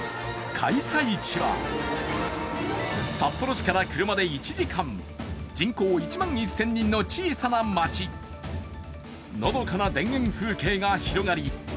開催地は札幌市から車で１時間人口１万１０００人の小さな町、のどかな田園風景が広がり